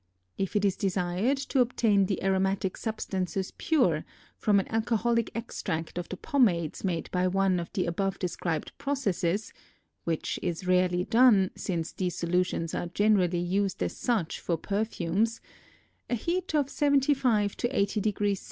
If it is desired to obtain the aromatic substances pure from an alcoholic extract of the pomades made by one of the above described processes—which is rarely done since these solutions are generally used as such for perfumes—a heat of 75 to 80 C.